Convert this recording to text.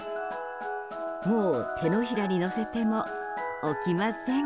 もう、手のひらに乗せても起きません。